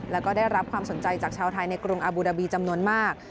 แล้วก็ได้รับความสนใจจากชาวไทยในกรุงอาบูดาบีจำนวนมาก